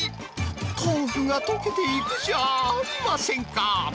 豆腐が溶けていくじゃありませんか。